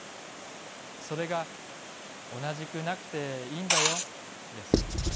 それが“おなじくなくていいんだよ”です。